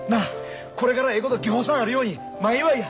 これからええことぎょうさんあるように前祝いや。